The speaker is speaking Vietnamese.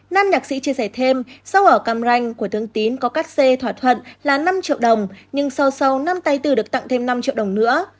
nam nhạc sĩ chia sẻ thêm sâu ở càm ranh của thương tín có cắt xe thỏa thuận là năm triệu đồng nhưng sâu sâu năm tay tử được tặng thêm năm triệu đồng nữa